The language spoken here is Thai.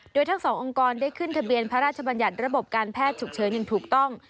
โดยทั้งสององค์กรได้ขึ้นทะเบียนพระราชบัญญัติระบบการแพทย์ฉุกเฉินอย่างถูกต้อง